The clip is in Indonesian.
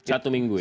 satu minggu ya